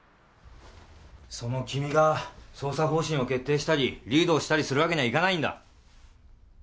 その君が捜査方針を決定したりリードをしたりするわけにはいかないんだ。